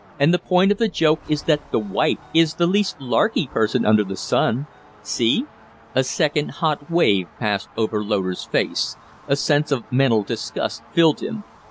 "And the point of the joke is that the wife is the least larky person under the sun. See?" A second hot wave passed over Loder's face; a sense of mental disgust filled him.